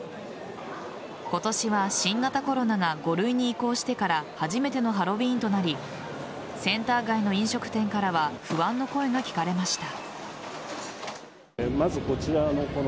今年は新型コロナが５類に移行してから初めてのハロウィーンとなりセンター街の飲食店からは不安の声が聞かれました。